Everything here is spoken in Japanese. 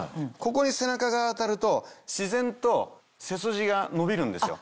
ここに背中が当たると自然と背筋が伸びるんですよ。